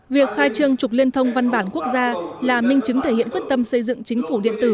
việc khai trương trục liên thông văn bản quốc gia là minh chứng thể hiện quyết tâm xây dựng chính phủ điện tử